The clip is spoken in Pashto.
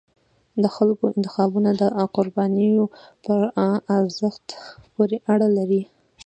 د خلکو انتخابونه د قربانیو په ارزښت پورې اړه لري